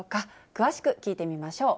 詳しく聞いてみましょう。